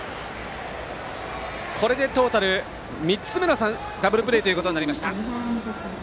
これでトータル、３つ目のダブルプレーとなりました。